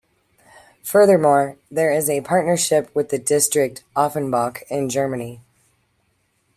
Furthermore, there is a partnership with the district Offenbach in Germany.